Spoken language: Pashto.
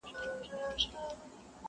زۀ بۀ خپل كور كې خوګېدمه ما بۀ چغې كړلې.